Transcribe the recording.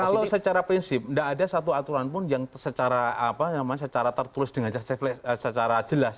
kalau secara prinsip tidak ada satu aturan pun yang secara tertulis dengan secara jelas